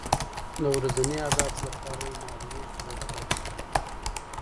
د ورځني اهدافو لپاره یو مهالویش جوړ کړه.